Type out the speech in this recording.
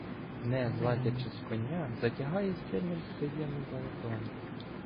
Не злазячи з коня, затягає сильним, приємним баритоном.